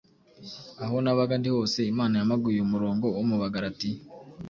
aho nabaga ndi hose Imana yampaga uyu murongo wo mu Bagaratiya